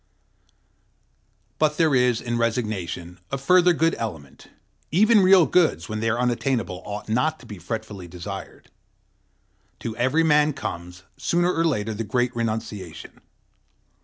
But there is in resignation a further good element: even real goods, when they are unattainable, ought not to be fretfully desired. To every man comes, sooner or later, the great renunciation.